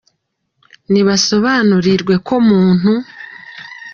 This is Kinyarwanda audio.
Nibasobanukirwe ko muntu